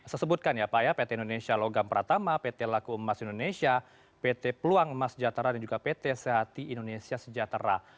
saya sebutkan ya pak ya pt indonesia logam pratama pt laku emas indonesia pt peluang emas jatera dan juga pt sehati indonesia sejahtera